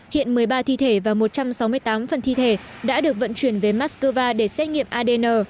hiện một mươi ba thi thể và một trăm sáu mươi tám phần thi thể đã được vận chuyển về moscow để xét nghiệm adn